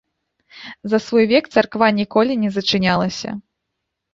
За свой век царква ніколі не зачынялася.